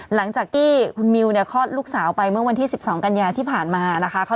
หลังจากที่คุณมิวเนี่ยคลอดลูกสาวไปเมื่อวันที่๑๒กันยาที่ผ่านมานะคะ